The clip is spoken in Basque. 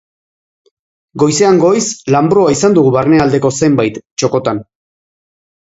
Goizean goiz lanbroa izan dugu barnealdeko zenbait txokotan.